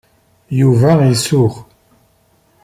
Yuba isuɣ.